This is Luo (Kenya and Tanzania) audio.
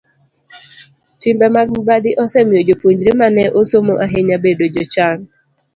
Timbe mag mibadhi osemiyo jopuonjre ma ne osomo ahinya bedo jochan.